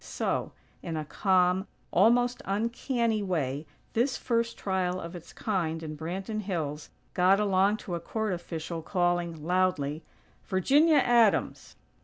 So, in a calm, almost uncanny way, this first trial of its kind in Branton Hills got along to a court official calling, loudly: "Virginia Adams!!"